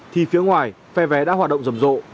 thì phía ngoài phe vé đã hoạt động rầm rộ